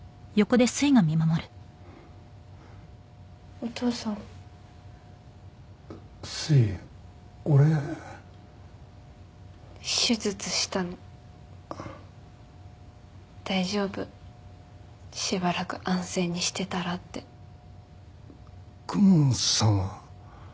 お父さんすい俺手術したの大丈夫しばらく安静にしてたらって公文さんは？